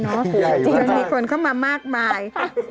จริงว่ะครับจริงนะจริงมีคนเข้ามามากมาย